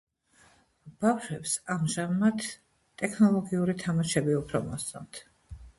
ბავშვებს ამჟამად ტექნოლოგიური თამაშები უფრო მოსწონთ.